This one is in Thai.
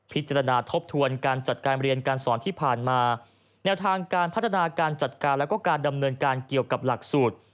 พิจารณาทบทวนการจัดการเรียนการสอนที่ผ่านมาแนวทางการพัฒนาการจัดการแล้วก็การดำเนินการเกี่ยวกับหลักสูตร